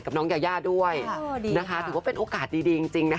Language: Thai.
กับน้องแยวแย่ด้วยนะคะถือว่าเป็นโอกาสดีจริง